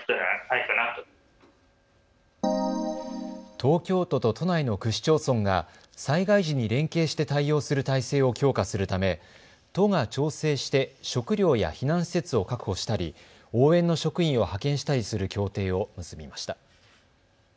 東京都と都内の区市町村が災害時に連携して対応する体制を強化するため都が調整して食料や避難施設を確保したり応援の職員を派遣したりする協定を結びました。